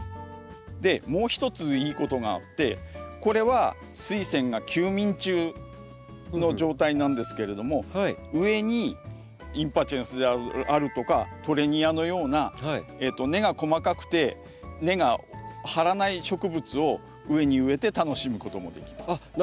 もう一ついいことがあってこれはスイセンが休眠中の状態なんですけれども上にインパチェンスであるとかトレニアのような根が細かくて根が張らない植物を上に植えて楽しむこともできます。